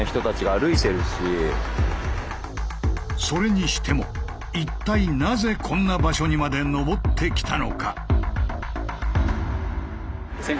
それにしても一体なぜこんな場所にまで登ってきたのか？